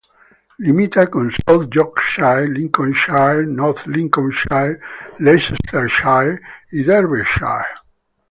Limita con South Yorkshire, Lincolnshire, North Lincolnshire, Leicestershire y Derbyshire.